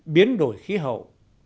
biến đổi khí hậu